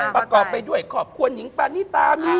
ประกอบไปด้วยขอบควรหญิงปานี่ตามี